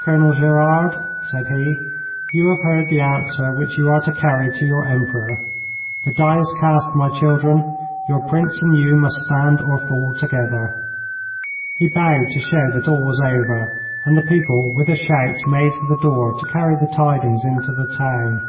'Colonel Gerard,' said he, 'you have heard the answer which you are to carry to your Emperor. The die is cast, my children. Your Prince and you must stand or fall together.' He bowed to show that all was over, and the people with a shout made for the door to carry the tidings into the town.